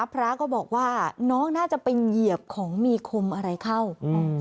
พระก็บอกว่าน้องน่าจะไปเหยียบของมีคมอะไรเข้าอืม